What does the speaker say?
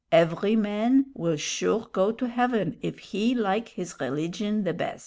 Every man will sure go to heaven if he like his rilligion the bez."